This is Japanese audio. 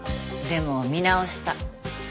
でも見直した。